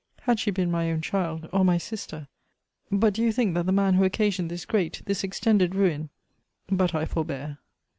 Had she been my own child, or my sister! But do you think that the man who occasioned this great, this extended ruin But I forbear.